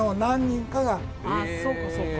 あそうかそうか。